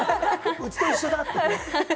うちと一緒だって。